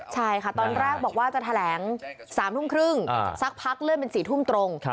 ใช่ค่ะตอนแรกบอกว่าจะแถลง๓ทุ่มครึ่งสักพักเลื่อนเป็น๔ทุ่มตรง